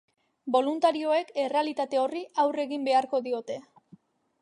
Boluntarioek errealitate horri aurre egin beharko diote.